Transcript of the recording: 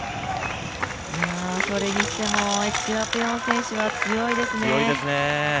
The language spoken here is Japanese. それにしても、エチオピアの選手は強いですね。